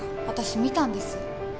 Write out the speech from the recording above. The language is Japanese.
私見たんです。